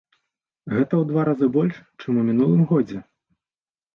Гэта ў два разы больш, чым у мінулым годзе.